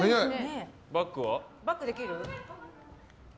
バックできる？